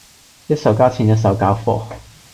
一手交錢一手交貨